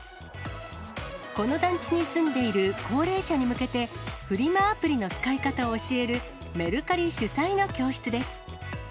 この団地に住んでいる高齢者に向けて、フリマアプリの使い方を教えるメルカリ主催の教室です。